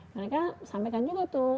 mereka sampaikan juga tuh